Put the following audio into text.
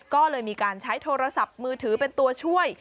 ก็เลยมีการใช้โทรศัพท์มือถือเป็นตัวช่วย